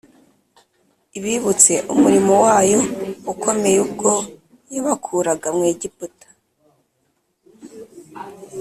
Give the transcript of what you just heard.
ibibutse umurimo wayo ukomeye ubwo yabakuraga mu Egiputa.